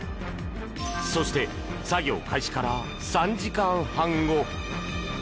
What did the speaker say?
そして、作業開始から３時半後。